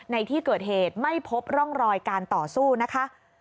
ในที่เกิดเหตุไม่พบร่องรอยการต่อสู้นะคะ